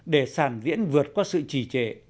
để sàn diễn vượt qua sự trì trệ